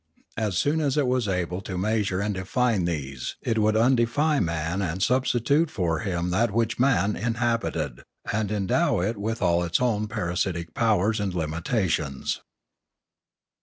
As soon as it was able to measure and define these, it would undeify man and substitute for him that which man inhabited, and endow it with all its own parasitic powers and limitations.